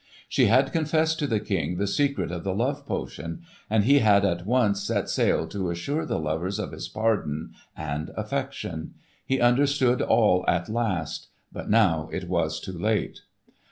She had confessed to the King the secret of the love potion, and he had at once set sail to assure the lovers of his pardon and affection. He understood all at last, but now it was too late.